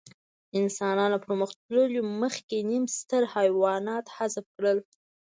انسانانو له پرمختګونو مخکې نیم ستر حیوانات حذف کړل.